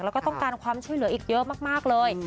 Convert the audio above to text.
แล้วก็ต้องการความช่วยเหลืออีกเยอะมากเลย